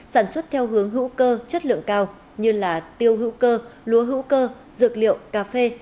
sản xuất theo hướng hữu cơ chất lượng cao như tiêu hữu cơ lúa hữu cơ dược liệu cà phê